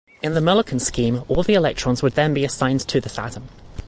In the Mulliken scheme, all the electrons would then be assigned to this atom.